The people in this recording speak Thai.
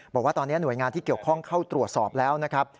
บอกว่าตอนนี้หน่วยงานที่เกี่ยวข้องเข้าตรวจสอบแล้วนะครับ